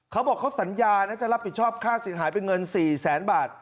เขาบอกเขาสัญญานะจะรับผิดชอบค่าเสียหายเป็นเงิน๔แสนบาท